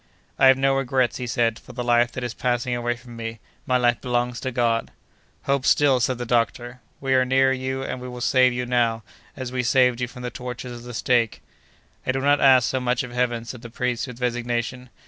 "I have no regrets," he said, "for the life that is passing away from me; my life belongs to God!" "Hope still!" said the doctor; "we are near you, and we will save you now, as we saved you from the tortures of the stake." "I do not ask so much of Heaven," said the priest, with resignation.